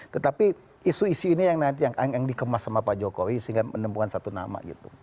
tetapi isu isu ini yang nanti yang dikemas sama pak jokowi sehingga menemukan satu nama gitu